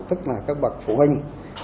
tức là các bậc phụ huynh